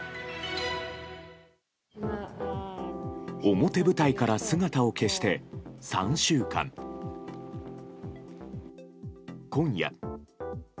表舞台から姿を消して３週間、今夜。